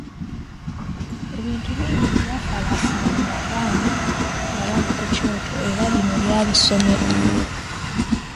Ebintu bingi bye baafalaasiranga abaana nga bali ku kyoto era lino lyali ssomero nnyo.